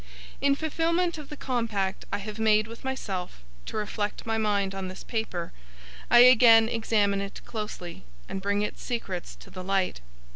In fulfilment of the compact I have made with myself, to reflect my mind on this paper, I again examine it, closely, and bring its secrets to the light.